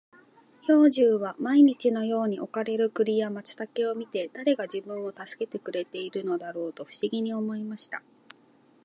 兵十は毎日のように置かれる栗や松茸を見て、誰が自分を助けてくれているのだろうと不思議に思いました。